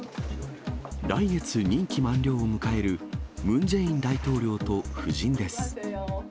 来月、任期満了を迎えるムン・ジェイン大統領と夫人です。